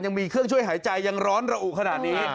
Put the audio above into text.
ยังมีเครื่องช่วยหายใจยังร้อนระอุขนาดนี้